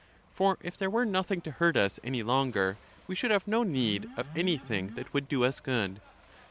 For if there were nothing to hurt us any longer, we should have no need of anything that would do us good.